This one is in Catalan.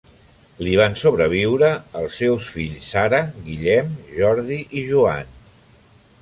Li van sobreviure els seus fills Sara, Guillem, Jordi i Joan.